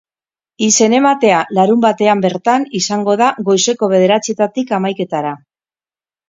Izen-ematea larunbatean bertan izango da goizeko bederatzietatik hamaiketara.